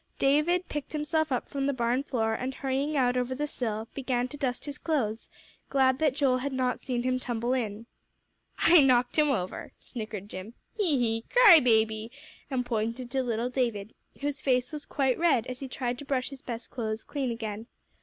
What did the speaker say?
David picked himself up from the barn floor, and hurrying out over the sill, began to dust his clothes, glad that Joel had not seen him tumble in. "I knocked him over," snickered Jim. "Hee hee! Cry baby!" and he pointed to little David, whose face was quite red as he tried to brush his best clothes clean again.